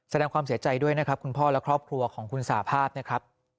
แสดงความเสียใจด้วยนะครับคุณพ่อและครอบครัวของคุณสาภาพนะครับ